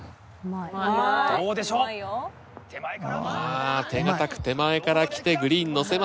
ああ手堅く手前から来てグリーン乗せました。